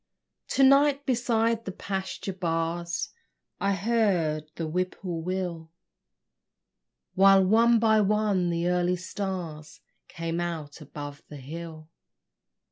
To night beside the pasture bars I heard the whippoorwill, While, one by one, the early stars Came out above the hill.